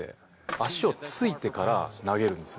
足を着いてから投げるんですよ。